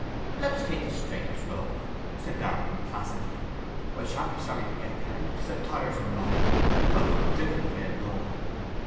'Let us take the straightest road,' said Darton placidly; 'I shan't be sorry to get there—'tis a tiresome ride. I would have driven if I had known.